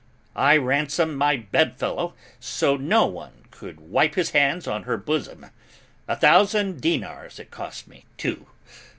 I ransomed my bedfellow so no one could wipe his hands on her bosom; a thousand dinars it cost me, too.